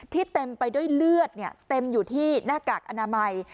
เต็มอยู่ที่หน้ากากอนามัย